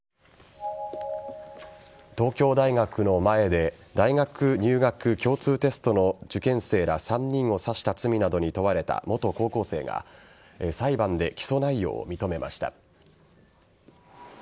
東京大学の前で大学入学共通テストの受験生ら３人を刺した罪などに問われた元高校生が裁判で起訴内容を認めました。